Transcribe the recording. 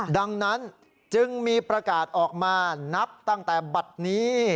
ดังนั้นจึงมีประกาศออกมานับตั้งแต่บัตรนี้